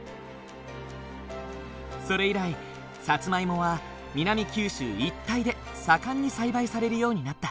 それ以来サツマイモは南九州一帯で盛んに栽培されるようになった。